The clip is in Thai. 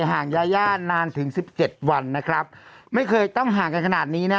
ห่างยาย่านานถึงสิบเจ็ดวันนะครับไม่เคยต้องห่างกันขนาดนี้นะ